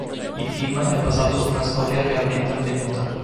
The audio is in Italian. Il film è basato su una storia realmente avvenuta.